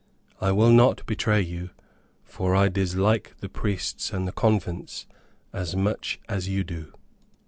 I will not betray you, for I dislike the priests and the convents as much as you do."